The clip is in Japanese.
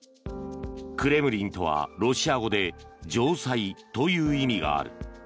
クレムリンとはロシア語で城塞という意味がある。